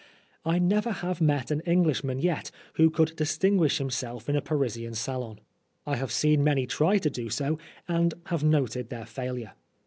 I never have met an Englishman yet who 16 Oscar Wilde could distinguish himself in a Parisian salon. I have seen many try to do so, and have noted their failure.